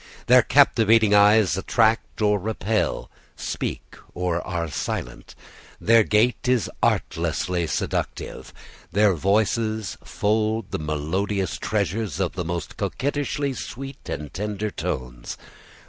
Their captivating eyes attract or repel, speak or are silent; their gait is artlessly seductive; their voices unfold the melodious treasures of the most coquettishly sweet and tender tones.